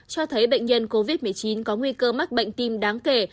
cho thấy bệnh nhân covid một mươi chín có nguy cơ mắc bệnh tim đáng kể